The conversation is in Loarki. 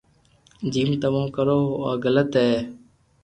جيم تموو ڪرو ھون آ غلط ي